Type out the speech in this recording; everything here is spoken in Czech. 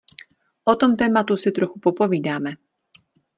O tom tématu si trochu popovídáme.